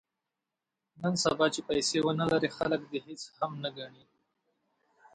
نن سبا چې پیسې ونه لرې خلک دې خس هم نه ګڼي.